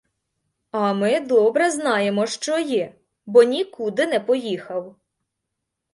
А ми добре знаємо, що є, бо нікуди не поїхав.